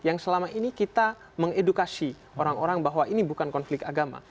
yang selama ini kita mengedukasi orang orang bahwa ini bukan konflik agama